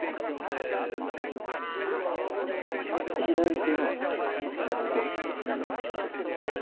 左手はここしっかり持って。